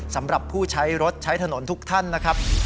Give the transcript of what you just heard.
สำหรับผู้ใช้รถใช้ถนนทุกท่านนะครับ